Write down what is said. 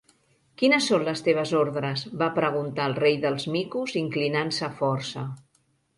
Quines són les teves ordres? va preguntar el Rei dels Micos inclinant-se força.